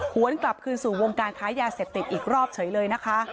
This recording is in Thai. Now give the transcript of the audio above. วนกลับคืนสู่วงการค้ายาเสพติดอีกรอบเฉยเลยนะคะ